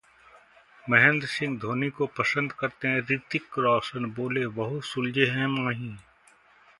महेंद्र सिंह धोनी को पसंद करते हैं ऋतिक रोशन, बोले- बहुत सुलझे हैं माही